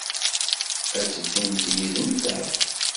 A teddumt yid-nteɣ?